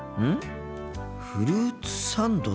フルーツサンドだ。